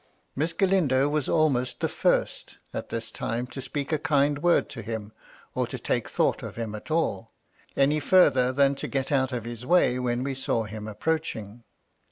ACss Galmdo was almost the first, at this time, to speak a kind word of him, (nt to take thought of him at all, any farther than to get out of his way when we saw him approaching.